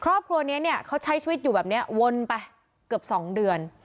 ครอบครัวนี้เนี่ยเขาใช้ชีวิตอยู่แบบนี้วนไปเกือบ๒เดือน